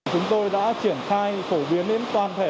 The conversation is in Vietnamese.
chúng tôi đã triển khai phổ biến đến toàn thể